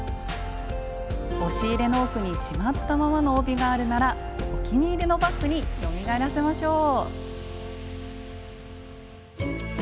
押し入れの奥にしまったままの帯があるならお気に入りのバッグによみがえらせましょう！